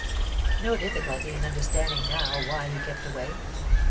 No difficulty in understanding now why he kept away.